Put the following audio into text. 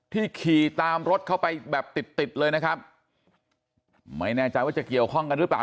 ขี่ตามรถเข้าไปแบบติดติดเลยนะครับไม่แน่ใจว่าจะเกี่ยวข้องกันหรือเปล่า